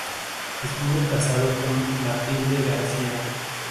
Estuvo casado con Matilde García.